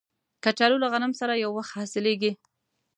کچالو له غنم سره یو وخت حاصلیږي